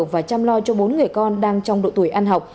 và chăm lo cho bốn người con đang trong độ tuổi ăn học